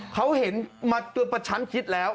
เขาเห็นมาแค่ผล่ะฉันคิดแล้ว